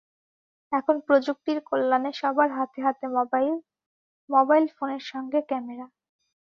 এখন প্রযুক্তির কল্যাণে সবার হাতে হাতে মোবাইল, মোবাইল ফোনের সঙ্গে ক্যামেরা।